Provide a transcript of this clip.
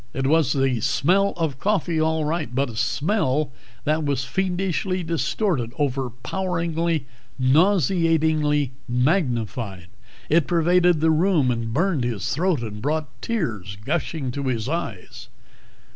It was the smell of coffee, all right, but a smell that was fiendishly distorted, overpoweringly, nauseatingly magnified. It pervaded the room and burned his throat and brought tears gushing to his eyes.